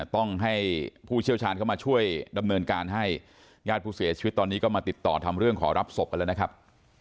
ต้องให้ผู้เชี่ยวชาญเข้ามาช่วยดำเนินการให้ญาติผู้เสียชีวิตตอนนี้ก็มาติดต่อทำเรื่องขอรับศพกันแล้วนะครับ